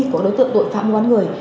của đối tượng tội phạm ngoan người